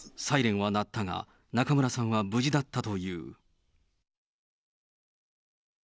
サイレンは鳴ったが、中村さんは無事だったという。